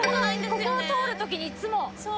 ここを通るときにいつも。